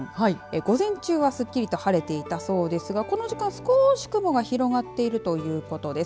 午前中はすっきりと晴れていたそうですがこの時間、少し雲が広がっているということです。